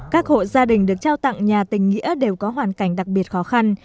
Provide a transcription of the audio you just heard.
các hộ gia đình được trao tặng nhà tình nghĩa đều có hoàn cảnh đặc biệt khó khăn